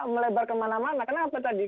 melebar kemana mana karena apa tadi